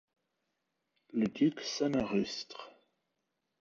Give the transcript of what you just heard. Le duc sonne un rustre